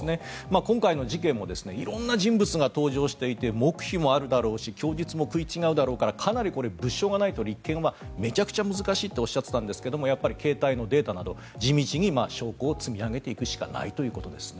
今回の事件も色んな人物が登場していて黙秘もあるだろうし供述も食い違うだろうからこれは物件がないと立証は難しいだろうと言っていたんですがやっぱり携帯のデータなど地道に証拠を積み上げていくしかないということですね。